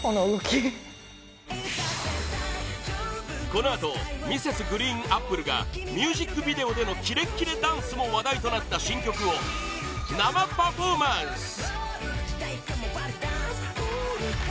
このあとＭｒｓ．ＧＲＥＥＮＡＰＰＬＥがミュージックビデオでのキレキレダンスも話題となった新曲を生パフォーマンス！